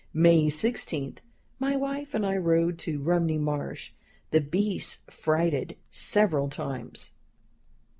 "May 16. My wife and I rode to Rumney Marsh. The Beast frighted several times."